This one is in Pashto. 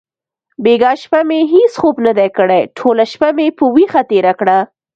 بیګا شپه مې هیڅ خوب ندی کړی. ټوله شپه مې په ویښه تېره کړه.